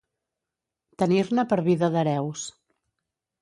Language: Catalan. Tenir-ne per vida d'hereus.